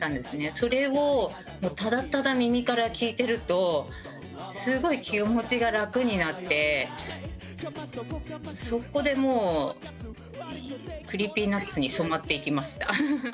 それを、ただただ耳から聞いていると、気持ちが楽になってそこでＣｒｅｅｐｙＮｕｔｓに染まっていきました。